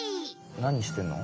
何してんの？